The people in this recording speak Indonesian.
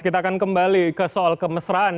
kita akan kembali ke soal kemesraan